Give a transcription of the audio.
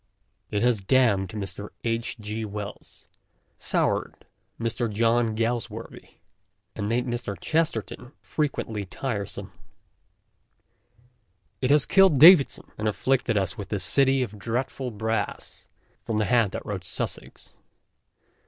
It has damned Mr. H. G. Wells, soured Mr. John Galsworthy, and made Mr. Chesterton frequently tiresome. It has killed Davidson, and afflicted us with the " City of Dreadful Brass " from the hand that wrote " Sussex."